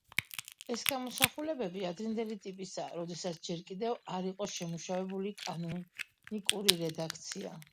ეს გამოსახულებები ადრინდელი ტიპისაა, როდესაც ჯერ კიდევ არ იყო შემუშავებული კანონიკური რედაქცია.